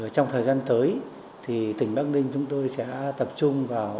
trong thời gian tới thì tỉnh bắc ninh chúng tôi sẽ tập trung vào